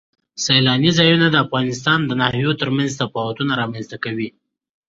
سیلانی ځایونه د افغانستان د ناحیو ترمنځ تفاوتونه رامنځ ته کوي.